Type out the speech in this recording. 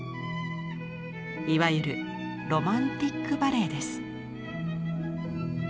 いわゆる「ロマンティック・バレエ」です。